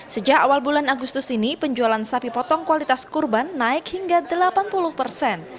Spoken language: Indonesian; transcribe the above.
sejak awal bulan agustus ini penjualan sapi potong kualitas kurban naik hingga delapan puluh persen